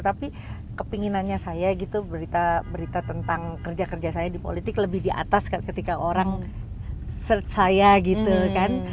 tapi kepinginannya saya gitu berita tentang kerja kerja saya di politik lebih di atas ketika orang search saya gitu kan